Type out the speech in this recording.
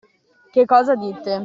Che cosa dite!